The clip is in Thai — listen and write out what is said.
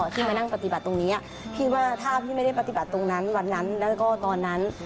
ที่มานั่งปฏิบัติตรงนี้พี่ว่าถ้าพี่ไม่ได้ปฏิบัติตรงนั้นวันนั้นแล้วก็ตอนนั้น